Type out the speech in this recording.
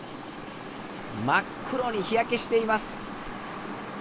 真っ黒に日焼けしています。